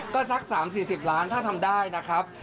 ก็สัก๓๔๐ล้านถ้าทำได้นะครับ